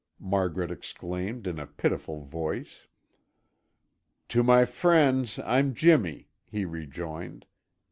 Margaret exclaimed in a pitiful voice. "To my friends, I'm Jimmy," he rejoined.